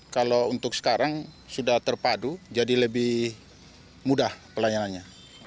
kalau untuk sekarang sudah terpadu jadi lebih mudah pelayanannya